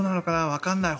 わからない。